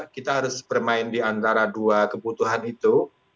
kita harus bermain diantara dua kebutuhan itu